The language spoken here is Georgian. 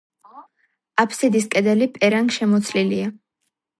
აბსიდის კედელი პერანგშემოცლილია.